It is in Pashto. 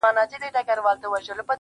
رڼا ترې باسم له څراغه .